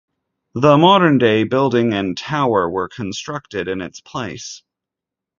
The modern-day Main Building and Tower were constructed in its place.